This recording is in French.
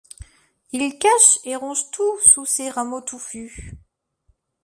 Il cache et ronge tout sous ses rameaux touffus.